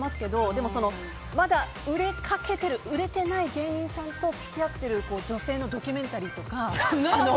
でも、まだ売れかけてる売れてない芸人さんと付き合ってる女性のドキュメンタリーとか。